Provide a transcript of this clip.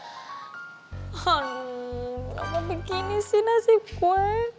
aduh kenapa begini sih nasib gue